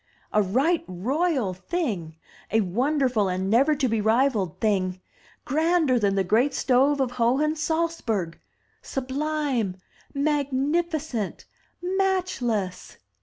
"A right royal thing! A wonderful and never to be rivalled thing! Grander than the great stove of Hohen Salzburg! Sub lime! magnificent! matchless!"